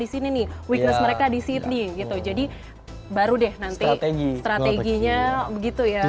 di sini nih weakness mereka di sydney gitu jadi baru deh nanti strateginya begitu ya